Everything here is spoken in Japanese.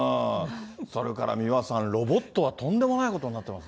それから三輪さん、ロボットはとんでもないことになってます